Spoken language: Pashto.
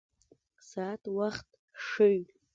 ساعت وخت ښيي